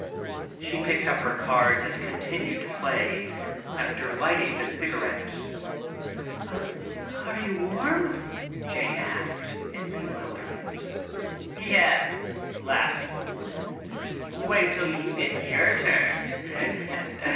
She picked up her cards and continued to play, after lighting a cigarette. "Are you warm ?" asked Jane in bewilderment. " laughed the woman."Wait your turn.